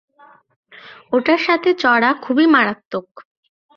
ওটার সাথে চড়া খুবই মারাত্মক।